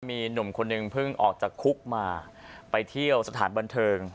มีหนุ่มคนนึงเพิ่งออกจากคุกมาไปเที่ยวสถานบันเทิง